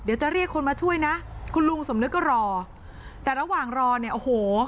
เดี๋ยวจะเรียกคนมาช่วยนะคุณลุงสมนึกก็รอแต่ระหว่างรอเนี่ยโอ้โห